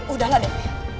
udahlah deh dia